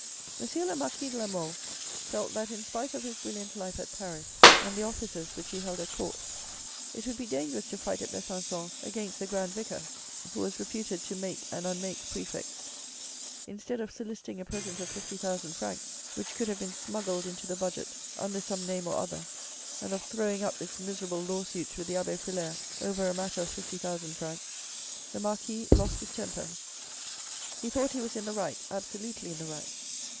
M. le Marquis de la Mole felt that, in spite of his brilliant life at Paris and the offices which he held at Court, it would be dangerous to fight at Besancon against the Grand Vicar, who was reputed to make and unmake prefects. Instead of soliciting a present of fifty thousand francs which could have been smuggled into the budget under some name or other, and of throwing up this miserable lawsuit with the abbe Frilair over a matter of fifty thousand francs, the marquis 1 >st his temper. He thought he was in the right, absolutely in the right.